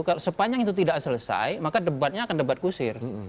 kalau sepanjang itu tidak selesai maka debatnya akan debat kusir